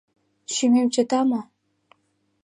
— Шӱмем чыта мо?